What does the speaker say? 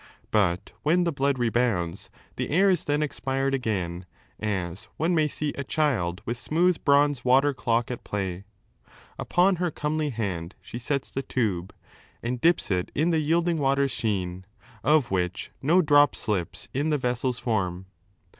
But when the blood rebounds, the air Is then expired again, as one may see A child with smooth bronze water clock at play. Upon her comely hand she sets the tube. And dips it in the yielding water's sheen, Of which no drop slips in the vessel's form.